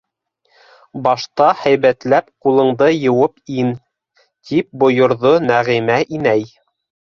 - Башта һәйбәтләп ҡулыңды йыуып ин! - тип бойорҙо Нәғимә инәй.